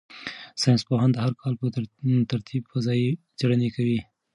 ساینس پوهان د هر کال په ترتیب فضايي څېړنې کوي.